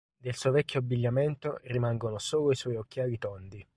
Del suo vecchio abbigliamento rimangono solo i suoi occhiali tondi.